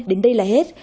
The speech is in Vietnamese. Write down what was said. đến đây là hết